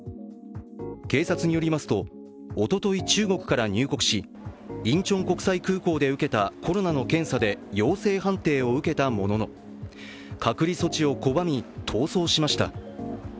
警察によりますと、おととい、中国から入国し、インチョン国際空港で受けたコロナの検査で陽性判定を受けたものの、隔離措置を拒み逃走しました。